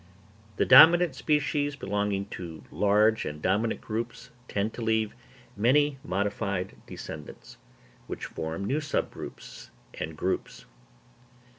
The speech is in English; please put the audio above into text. The dominant species belonging to large and dominant groups tend to leave many modified descendants, which form new sub groups and groups.